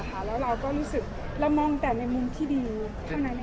แล้วเราก็รู้สึกเรามองแต่ในมุมที่ดีเท่านั้น